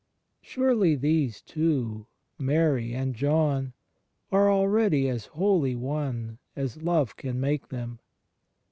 Surely these two, Mary and John, are already as wholly one as Love can make them.